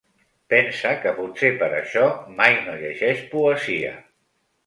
Pensa que potser per això mai no llegeix poesia.